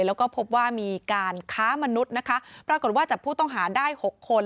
แล้วก็พบว่ามีการค้ามนุษย์นะคะปรากฏว่าจับผู้ต้องหาได้หกคน